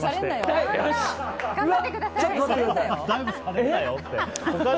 頑張ってください。